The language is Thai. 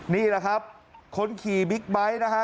นี่นะครับคนขี่บิ๊กไบสต์นะคะ